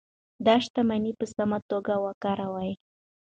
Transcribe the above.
دا شتمني په سمه توګه وکاروئ.